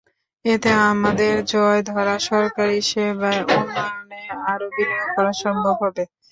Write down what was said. এতে আমাদের জং ধরা সরকারি সেবার উন্নয়নে আরও বিনিয়োগ করা সম্ভব হবে।